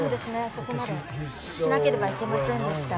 そこまでしなければいけないと思いました。